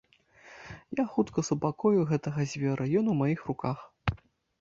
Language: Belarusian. Я хутка супакою гэтага звера, ён у маіх руках.